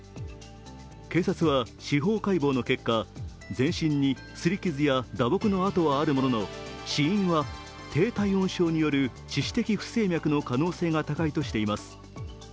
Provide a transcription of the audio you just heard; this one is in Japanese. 警察は司法解剖の結果、前身に擦り傷や打撲の痕はあるものの死因は低体温症による致死的不整脈の可能性が高いとしています。